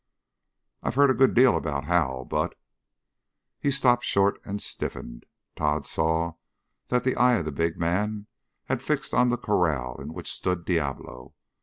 "I've heard a good deal about Hal, but " He stopped short and stiffened. Tod saw that the eyes of the big man had fixed on the corral in which stood Diablo.